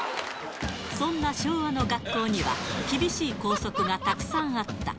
そんな昭和の学校には、厳しい校則がたくさんあった。